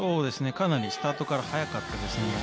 かなりスタートから速かったですね。